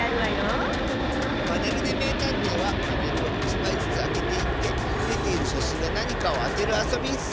「パネルでめいたんてい」はパネルを１まいずつあけていってかくれているしゃしんがなにかをあてるあそびッス！